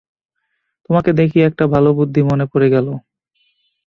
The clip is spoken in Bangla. তোমাকে দেখি একটা ভালো বুদ্ধি মনে পড়ে গেল।